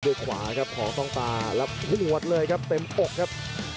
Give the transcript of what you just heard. ขวาครับของต้องตาแล้วหวดเลยครับเต็มอกครับ